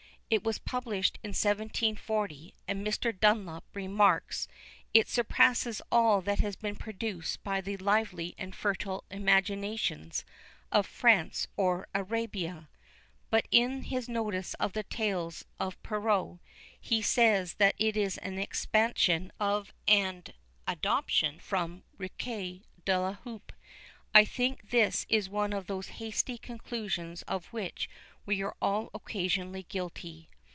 It was published in 1740, and Mr. Dunlop remarks that "it surpasses all that has been produced by the lively and fertile imaginations of France or Arabia;" but in his notice of the tales of Perrault, he says that it is an expansion of and adoption from Riquet à la Houpe. I think this is one of those hasty conclusions of which we are all occasionally guilty.